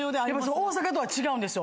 大阪とは違うんですよ。